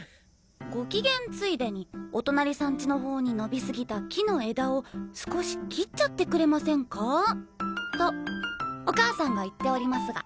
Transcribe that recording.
ご機嫌ついでにお隣さん家の方に伸びすぎた木の枝を少し切っちゃってくれませんか？とお母さんが言っておりますが。